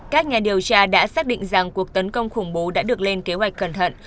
các nhà điều tra đã xác định rằng cuộc tấn công khủng bố đã được lên kế hoạch cẩn thận